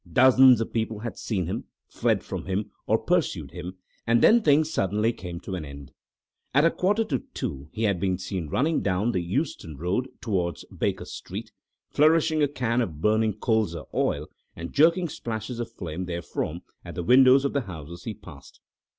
Dozens of people had seen him, fled from him or pursued him, and then things suddenly came to an end. At a quarter to two he had been seen running down the Euston Road towards Baker Street, flourishing a can of burning colza oil and jerking splashes of flame therefrom at the windows of the houses he passed.